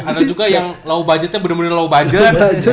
ada juga yang low budgetnya bener bener low budget